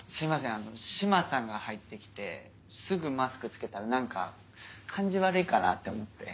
あの島さんが入ってきてすぐマスク着けたら何か感じ悪いかなって思って。